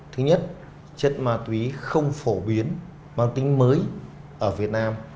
thứ nhất chất ma túy không phổ biến mang tính mới ở việt nam